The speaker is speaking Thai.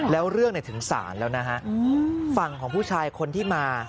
แล้วเรื่องถึงศาลแล้วนะฮะฝั่งของผู้ชายคนที่มา